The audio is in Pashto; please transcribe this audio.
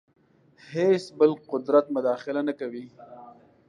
هېڅ بل قدرت مداخله نه کوي.